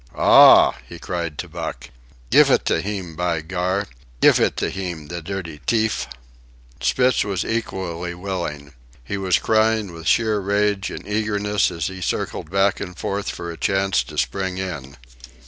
"A a ah!" he cried to Buck. "Gif it to heem, by Gar! Gif it to heem, the dirty t'eef!" Spitz was equally willing. He was crying with sheer rage and eagerness as he circled back and forth for a chance to spring in.